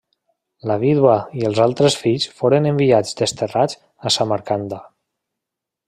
La vídua i els altres fills foren enviats desterrats a Samarcanda.